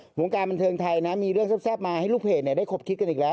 วงการบันเทิงไทยนะมีเรื่องแซ่บมาให้ลูกเพจได้คบคิดกันอีกแล้ว